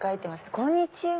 こんにちは。